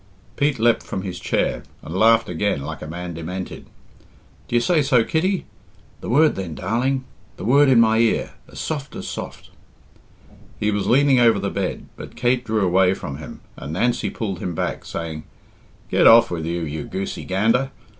Pete leapt from his chair and laughed again like a man demented. "D'ye say so, Kitty? The word then, darling the word in my ear as soft as soft " He was leaning over the bed, but Kate drew away from him, and Nancy pulled him back, saying, "Get off with you, you goosey gander!